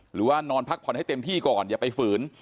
หรือว่านอนพักผ่อนให้เต็มที่ก่อนอย่าไปฝืน